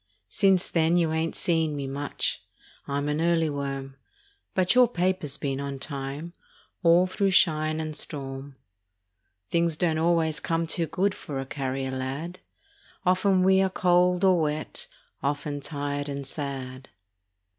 Since then you ain't seen me much ; I'm an early worm. But your paper's been on time All through shine and storm. Things don't always come too good For a carrier lad. Often we are cold or wet, Often tired and sad.